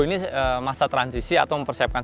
ini masa transisi atau mempersiapkan